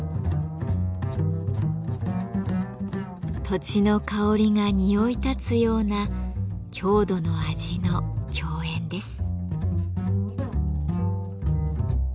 土地の香りが匂いたつような郷土の味の競演です。